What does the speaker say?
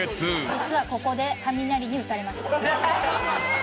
実はここで雷に打たれました。